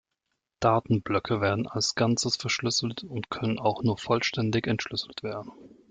Datenblöcke werden als Ganzes verschlüsselt und können auch nur vollständig entschlüsselt werden.